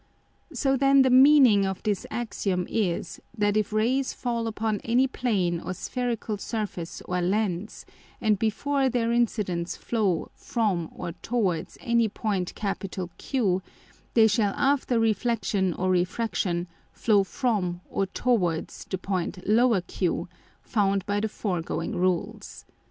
[B] So then the Meaning of this Axiom is, that if Rays fall upon any Plane or Spherical Surface or Lens, and before their Incidence flow from or towards any Point Q, they shall after Reflexion or Refraction flow from or towards the Point q found by the foregoing Rules.